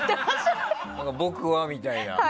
僕はみたいな。